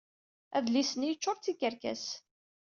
Adlis-nni yeččur d tikerkas.